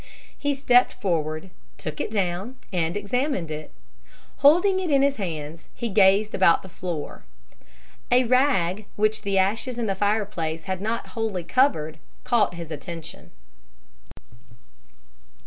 He stepped forward, took it down, and examined it. Holding it in his hands, he gazed about the floor. A rag which the ashes in the fireplace had not wholly covered caught his attention.